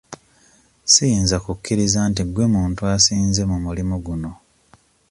Siyinza kukkiriza nti gwe muntu asinze mu mulimu guno.